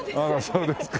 そうですか。